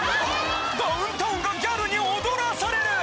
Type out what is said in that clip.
ダウンタウンがギャルに踊らされる！